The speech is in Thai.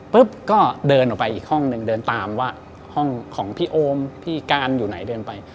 ก็เดินออกไปอีกห้องหนึ่งเดินตามว่าห้องของพี่โอมพี่การอยู่ไหนเดินไป